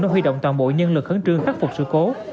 đã huy động toàn bộ nhân lực khấn trương khắc phục sự cố